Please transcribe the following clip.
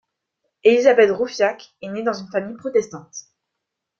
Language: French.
Élisabeth Rouffiac est née dans une famille protestante.